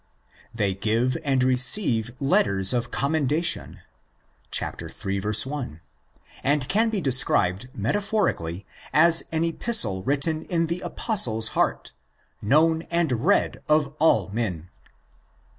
They give and receive letters of commendation (iii. 1), and can be described metaphorically as an epistle written in the Apostle's heart, '' known and read of all men" (ili.